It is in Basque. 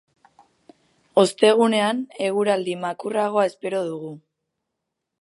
Ostegunean eguraldi makurragoa espero dugu.